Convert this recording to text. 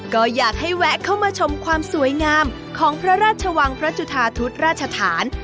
ก็อยากให้แวะเข้ามาชมความสวยงามของพระราชวังพระจุธาทุศราชฐาน